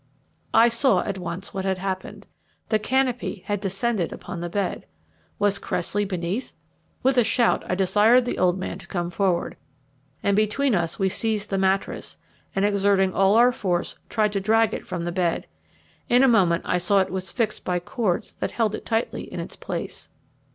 I saw at once what had happened. The canopy had descended upon the bed. Was Cressley beneath? With a shout I desired the old man to come forward, and between us we seized the mattress, and exerting all our force, tried to drag it from the bed. In a moment I saw it was fixed by cords that held it tightly in its place.